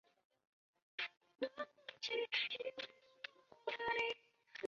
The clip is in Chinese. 它与中阿尔卑斯山脉主要是地质成分的差异。